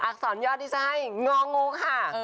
อสรยอดที่จะให้งองูค่ะ